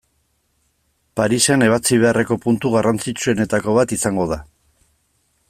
Parisen ebatzi beharreko puntu garrantzitsuenetako bat izango da.